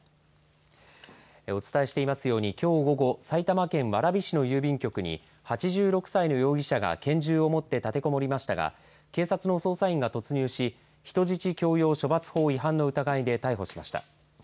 お伝えしていますようにきょう午後埼玉県蕨市の郵便局に８６歳の容疑者が拳銃を持って立てこもりましたが警察の捜査員が突入し人質強要処罰法違反の疑いで逮捕しました。